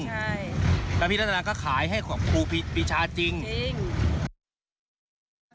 ใช่แล้วพี่รัตนาก็ขายให้ของครูปีชาจริงจริง